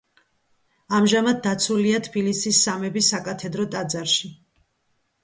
ამჟამად დაცულია თბილისის სამების საკათედრო ტაძარში.